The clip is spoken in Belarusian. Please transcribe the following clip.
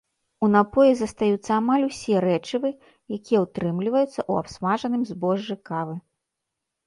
У напоі застаюцца амаль усе рэчывы, якія ўтрымліваюцца ў абсмажаным збожжы кавы.